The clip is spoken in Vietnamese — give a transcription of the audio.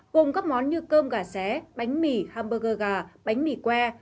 gồm các món như cơm gà xé bánh mì hamburger gà bánh mì que